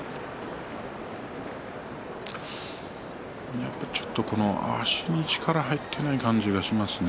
やっぱり、ちょっと足に力が入っていない感じがしますね。